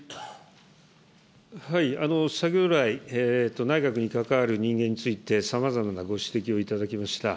先ほど来、内閣に関わる人間について、さまざまなご指摘を頂きました。